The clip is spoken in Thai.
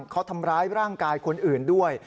เขาทำร้ายร่างกายคนอื่นด้วย